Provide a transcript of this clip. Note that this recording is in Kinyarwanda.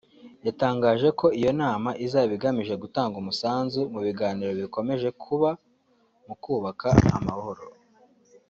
yatangaje ko iyo nama izaba igamije gutanga umusanzu mu biganiro bikomeje kuba mu kubaka amahoro